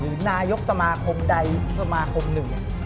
นายกสมาคมใดสมาคมหนึ่ง